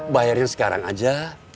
bayarin sekarang aja